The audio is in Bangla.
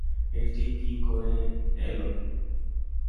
এটা কী করে এলো?